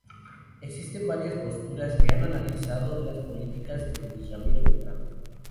Existen varias posturas que han analizado las políticas de Luis Ramiro Beltrán.